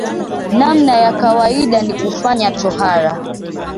Namna ya kawaida ni kufanya tohara